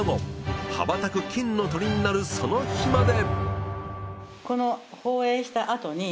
羽ばたく金の鶏になるその日まで。